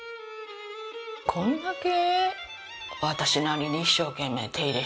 こんだけ。